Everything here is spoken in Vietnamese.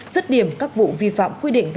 xứt điểm các vụ vi phạm